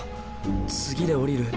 次で降りる？